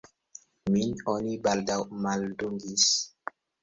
Min oni baldaŭ maldungis.